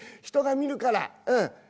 人が見るからうん。